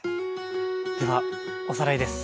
ではおさらいです。